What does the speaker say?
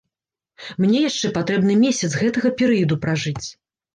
Мне яшчэ патрэбны месяц гэтага перыяду пражыць.